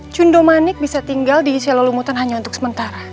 cundomanik bisa tinggal di isi lelumutan hanya untuk sementara